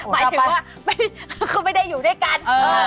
หมายถึงว่าเขาไม่ได้อยู่ด้วยกัน